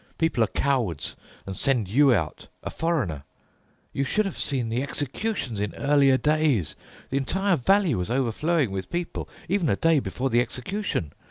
People are cowards and send you out—a foreigner. You should have seen the executions in earlier days! The entire valley was overflowing with people, even a day before the execution.